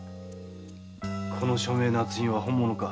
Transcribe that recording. この署名捺印は本物か？